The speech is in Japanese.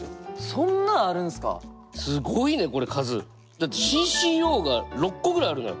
だってＣＣＯが６個ぐらいあるのよ